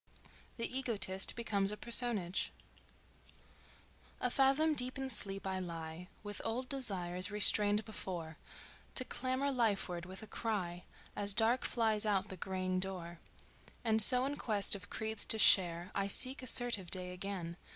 The Egotist Becomes a Personage "A fathom deep in sleep I lie With old desires, restrained before, To clamor lifeward with a cry, As dark flies out the greying door; And so in quest of creeds to share I seek assertive day again...